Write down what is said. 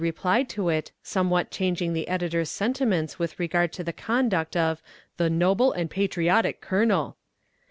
replied to it, somewhat changing the editor's sentiments with regard to the conduct of the "noble and patriotic colonel."